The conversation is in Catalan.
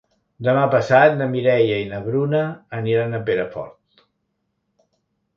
Demà passat na Mireia i na Bruna aniran a Perafort.